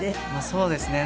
そうですね。